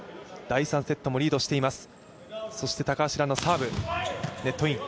第３セットもリードしています。